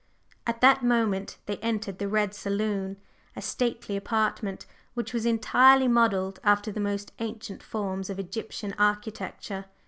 At that moment they entered the Red Saloon, a stately apartment, which was entirely modelled after the most ancient forms of Egyptian architecture.